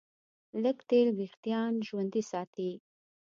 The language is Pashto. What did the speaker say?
لږ تېل وېښتيان ژوندي ساتي.